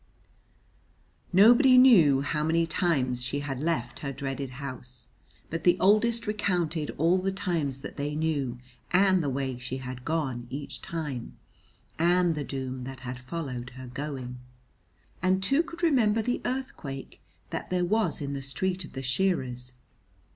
Nobody knew how many times she had left her dreaded house; but the oldest recounted all the times that they knew, and the way she had gone each time, and the doom that had followed her going; and two could remember the earthquake that there was in the street of the shearers.